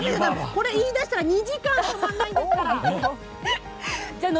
これを言いだしたら２時間、止まらないんですから。